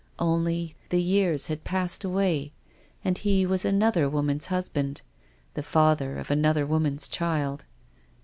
Only the years had passed away, and he was another woman's husband, the father of another woman's child.